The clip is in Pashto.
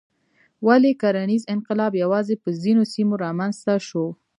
ولې کرنیز انقلاب یوازې په ځینو سیمو رامنځته شو؟